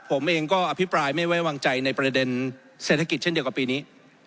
ผมเองก็อภิปรายไม่ไว้วางใจในประเด็นเศรษฐกิจเช่นเดียวกับปีนี้